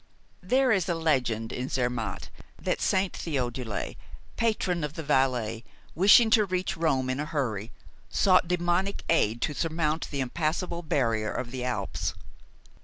There is a legend in Zermatt that Saint Theodule, patron of the Valais, wishing to reach Rome in a hurry, sought demoniac aid to surmount the impassable barrier of the Alps.